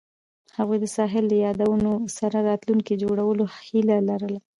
هغوی د ساحل له یادونو سره راتلونکی جوړولو هیله لرله.